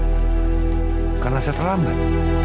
bukan rasa terlambat